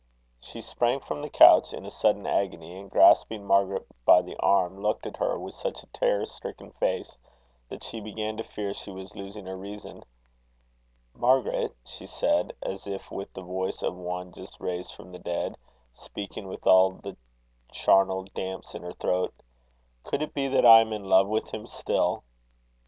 She sprang from the couch in a sudden agony, and grasping Margaret by the arm, looked at her with such a terror stricken face, that she began to fear she was losing her reason. "Margaret," she said, as if with the voice as of one just raised from the dead, speaking with all the charnel damps in her throat, "could it be that I am in love with him still?"